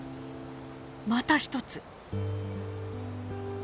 また一つ。